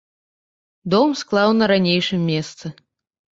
Дом склаў на ранейшым месцы.